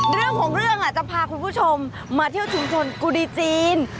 เรื่องของเรื่องจะพาคุณผู้ชมมาเที่ยวชุมชนกุดีจีน